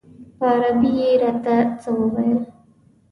په عربي یې راته څه وویل.